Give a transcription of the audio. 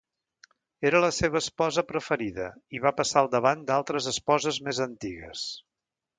Era la seva esposa preferida i va passar al davant d'altres esposes més antigues.